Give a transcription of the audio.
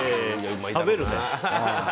食べるね。